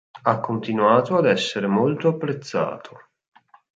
Ha continuato ad essere molto apprezzato.